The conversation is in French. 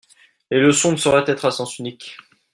Les leçons ne sauraient être à sens unique.